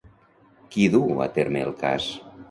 Qui duu a terme el cas?